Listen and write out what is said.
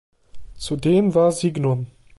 Zudem war Signum!